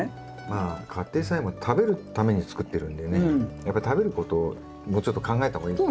まあ家庭菜園も食べるために作ってるんでねやっぱり食べることをもうちょっと考えた方がいいですよね。